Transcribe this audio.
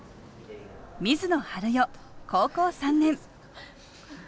水野春予高校３年。